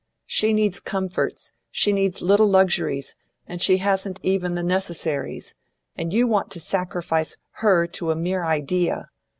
She needs comforts, she needs little luxuries, and she hasn't even the necessaries; and you want to sacrifice her to a mere idea!